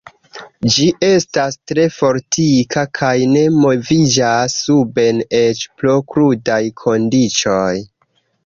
Ĝi estas tre fortika kaj ne moviĝas suben eĉ pro krudaj kondiĉoj.